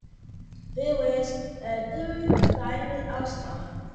He was a three-time All-Star.